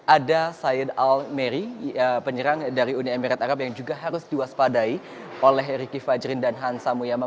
ada said almary penyerang dari uni emirat arab yang juga harus diwaspadai oleh ricky fajrin dan hansa muyama